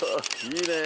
いいねえ